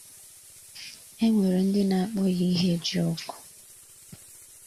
e nwere ndị na-akpọ ya Ìhèjiọkụ